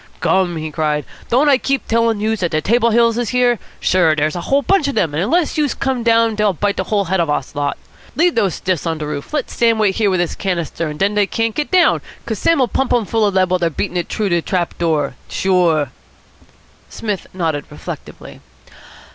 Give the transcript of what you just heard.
"Gum!" he cried, "don't I keep tellin' youse dat de Table Hills is here? Sure, dere's a whole bunch of dem, and unless youse come on down dey'll bite de hull head off of us lot. Leave those stiffs on de roof. Let Sam wait here with his canister, and den dey can't get down, 'cos Sam'll pump dem full of lead while dey're beatin' it t'roo de trap door. Sure." Psmith nodded reflectively.